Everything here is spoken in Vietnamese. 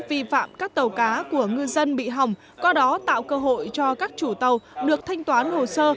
vi phạm các tàu cá của ngư dân bị hỏng qua đó tạo cơ hội cho các chủ tàu được thanh toán hồ sơ